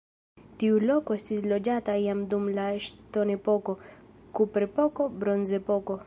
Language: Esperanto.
Tiu loko estis loĝata jam dum la ŝtonepoko, kuprepoko, bronzepoko.